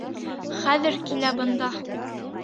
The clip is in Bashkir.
Хәҙер килә бында.